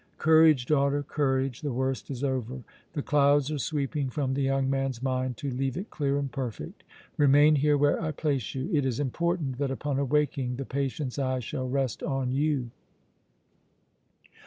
Courage, daughter, courage! The worst is over! The clouds are sweeping from the young man's mind to leave it clear and perfect! Remain here where I place you! It is important that upon awaking the patient's eyes shall rest on you!"